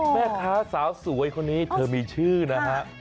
แม่ค้าสาวสวยคนนี้เธอมีชื่อนะฮะ